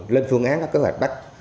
lên phương án các kế hoạch bắt